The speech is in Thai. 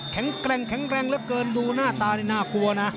แข็งแกร่งแข็งแรงเหลือเกินดูหน้าตานี่น่ากลัวนะ